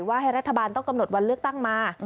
ให้รัฐบาลต้องกำหนดวันเลือกตั้งมา